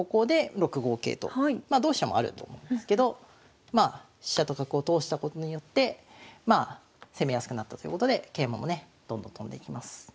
まあ同飛車もあると思うんですけど飛車と角を通したことによって攻めやすくなったということで桂馬もねどんどん跳んでいきます。